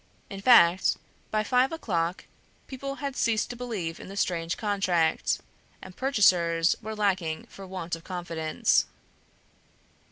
In fact, by five o'clock people had ceased to believe in the strange contract, and purchasers were lacking for want of confidence.